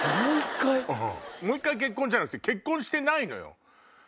もう一回結婚じゃなくて結婚してないのよ。